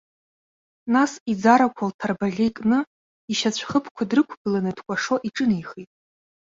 Нас иӡарақәа лҭарбаӷьа икны, ишьацәхыԥқәа дрықәгыланы дкәашо иҿынеихеит.